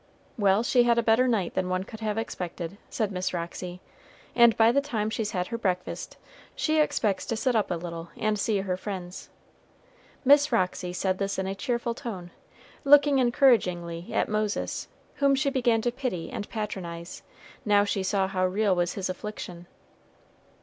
"Well, she had a better night than one could have expected," said Miss Roxy, "and by the time she's had her breakfast, she expects to sit up a little and see her friends." Miss Roxy said this in a cheerful tone, looking encouragingly at Moses, whom she began to pity and patronize, now she saw how real was his affliction.